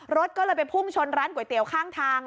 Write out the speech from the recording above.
รถก็เลยไปพุ่งชนร้านก๋วยเตี๋ยวข้างทาง